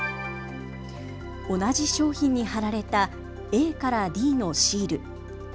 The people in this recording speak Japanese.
同じ商品に貼られたＡからＤのシール。